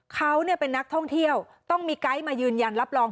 เขาเป็นนักท่องเที่ยวต้องมีไกด์มายืนยันรับรอง